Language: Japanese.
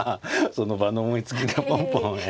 その場の思いつきでポンポン。